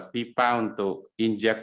pipa untuk inject